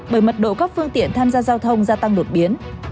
bởi mật độ các phương tiện tham gia giao thông gia tăng đột biến